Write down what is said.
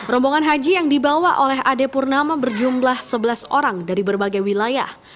rombongan haji yang dibawa oleh ade purnama berjumlah sebelas orang dari berbagai wilayah